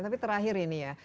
tapi terakhir ini ya